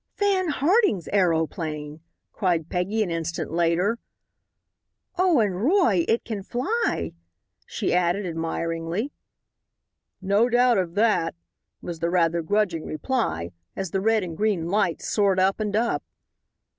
"Fan Harding's aeroplane!" cried Peggy, an instant later. "And oh, Roy it can fly!" she added, admiringly. "No doubt of that," was the rather grudging reply, as the red and green lights soared up and up.